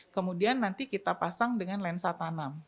kemudian nanti kita pasang dengan lensa tanam